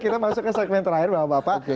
kita masuk ke segmen terakhir bapak bapak